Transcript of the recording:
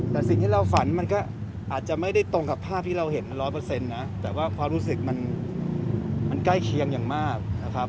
แต่สิ่งที่เราฝันมันก็อาจจะไม่ได้ตรงกับภาพที่เราเห็น๑๐๐นะแต่ว่าความรู้สึกมันใกล้เคียงอย่างมากนะครับ